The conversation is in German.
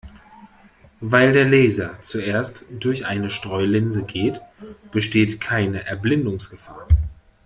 Weil der Laser zuerst durch eine Streulinse geht, besteht keine Erblindungsgefahr.